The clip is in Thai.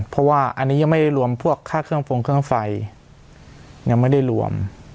เพราะว่าอันนี้ยังไม่รวมพวกค่าเครื่องฟงเครื่องไฟยังไม่ได้รวม